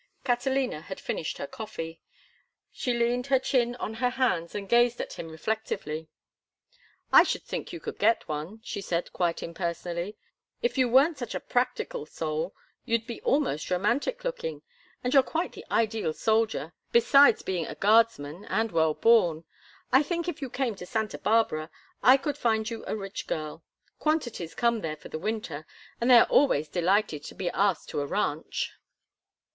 Catalina had finished her coffee. She leaned her chin on her hands and gazed at him reflectively. "I should think you could get one," she said, quite impersonally. "If you weren't such a practical soul you'd be almost romantic looking, and you're quite the ideal soldier, besides being a guardsman and well born. I think if you came to Santa Barbara I could find you a rich girl. Quantities come there for the winter, and they are always delighted to be asked to a ranch."